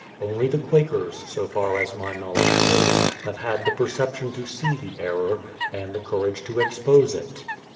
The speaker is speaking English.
Only the Quakers, so far as my knowledge goes, have had the perception to see the error and the courage to expose it.